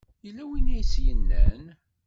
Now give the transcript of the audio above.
Yella win i as-yennan?